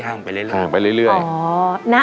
ห่างไปเรื่อย